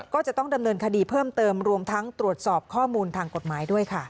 ก็จะต้องดำเนินคดีเพิ่มเติมรวมทั้งตรวจสอบข้อมูลทางกฎหมายด้วยค่ะ